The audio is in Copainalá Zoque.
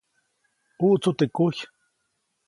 ʼUʼtsu teʼ kujy.